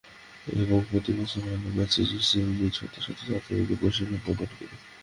এবং প্রতি বছর আমরা ম্যাসাচুসেটসে দিনে শতশত ছাত্রীকে প্রশিক্ষণ প্রদান করি।